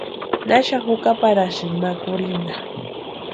¿Naxani jukaparhaïni ma kurhinta?